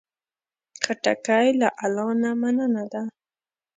خټکی له الله نه مننه ده.